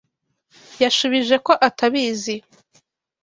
Yashubije ko atabizi.